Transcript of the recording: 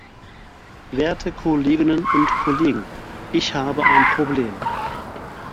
Werte Kolleginnen und Kollegen! Ich habe ein Problem.